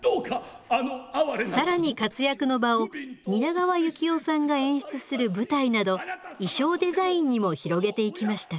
更に活躍の場を蜷川幸雄さんが演出する舞台など衣装デザインにも広げていきました。